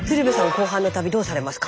後半の旅どうされますか？